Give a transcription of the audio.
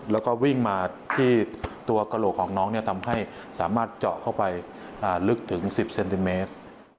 แล้วก็วิ่งมาที่ตัวกระโหลกของน้องทำให้สามารถเจาะเข้าไปลึกถึง๑๐เซนติเมตร